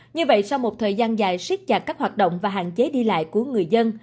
như vậy sau một thời gian dài siết chặt các hoạt động và hạn chế đi lại của người dân